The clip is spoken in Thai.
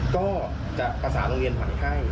ก็จะประสานโรงเรียนใหม่ให้